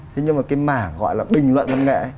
thế nhưng mà cái mảng gọi là bình luận văn nghệ